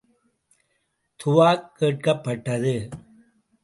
துவாக் கேட்கப் பட்டது.